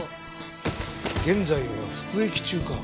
現在は服役中か。